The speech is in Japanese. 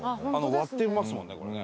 割ってますもんねこれね。